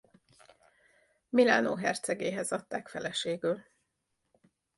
Milánó hercegéhez adták feleségül.